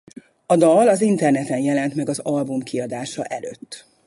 A dal az interneten jelent meg az album kiadása előtt.